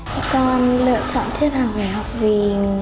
các con lựa chọn thiết học về học vì